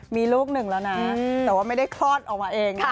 มีลูกหนึ่งแล้วนะแต่ว่าไม่ได้คลอดออกมาเองค่ะ